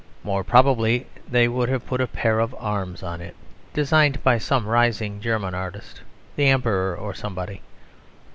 More probably they would have put a pair of arms on it, designed by some rising German artist the Emperor or somebody.